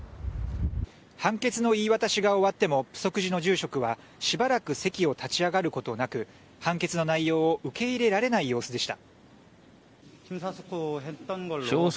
判決の言い渡しが終わってもプソク寺の住職はしばらく席を立ち上がることなく判決の内容を受け入れられない様子でした。